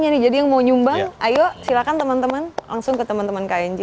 iya nih jadi yang mau nyumbang ayo silakan teman teman langsung ke teman teman knj